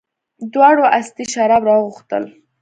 دواړو استي شراب راوغوښتل.